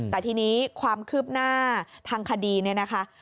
แต่ทีนี้ความคืบหน้าทางคดีเนี่ยนะคะ